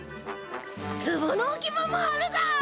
つぼのおき場もあるだ。